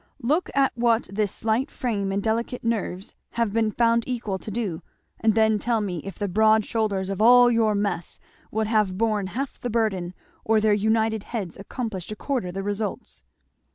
"Look at what this slight frame and delicate nerves have been found equal to, and then tell me if the broad shoulders of all your mess would have borne half the burden or their united heads accomplished a quarter the results."